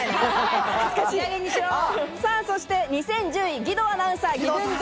そして２０１０位、義堂アナウンサー。